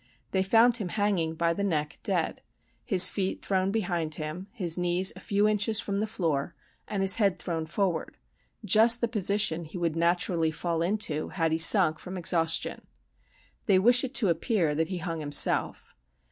They found him hanging by the neck, dead, "his feet thrown behind him, his knees a few inches from the floor, and his head thrown forward,"—just the position he would naturally fall into, had he sunk from exhaustion. They wish it to appear that he hung himself.